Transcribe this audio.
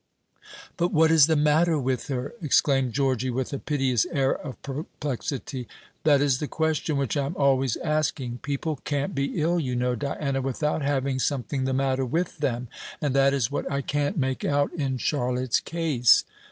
"But what is the matter with her?" exclaimed Georgy, with a piteous air of perplexity; "that is the question which I am always asking. People can't be ill, you know, Diana, without having something the matter with them; and that is what I can't make out in Charlotte's case.